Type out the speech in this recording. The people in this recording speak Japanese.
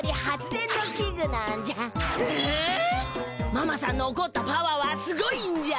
ママさんのおこったパワーはすごいんじゃ！